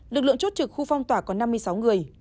lực lượng chốt trực khu phong tỏa có năm mươi sáu người